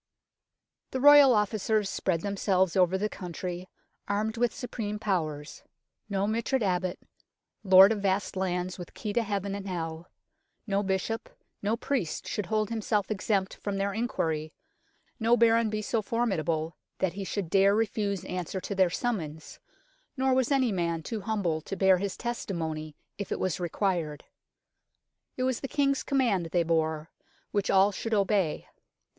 The Royal Officers spread themselves over the country, armed with supreme powers. No mitred THE DOMESDAY BOOK 73 Abbot, lord of vast lands with key to Heaven and hell, no bishop, no priest should hold himself exempt from their inquiry, no Baron be so for midable that he should dare refuse answer to their summons, nor was any man too humble to bear his testimony if it was required. It was the King's command they bore, which all should obey.